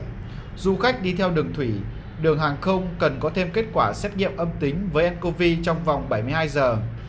từ ngày hai mươi tháng một mươi một du khách đi theo đường thủy đường hàng không cần có thêm kết quả xét nghiệm âm tính với ncov trong vòng bảy mươi hai giờ